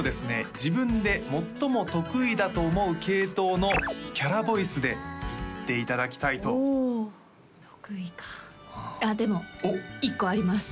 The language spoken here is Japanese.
自分で最も得意だと思う系統のキャラボイスで言っていただきたいと得意かでも１個あります